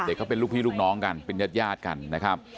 ก็เป็นลูกพี่ลูกน้องกันเป็นญาติญาติกันนะครับ